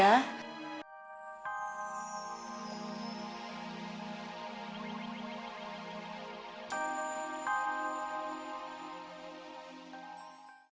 kayaknya norte itu sama pria